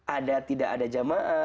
ada tidak ada jamaah